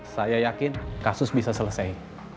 saya yakin kasus bisa selesai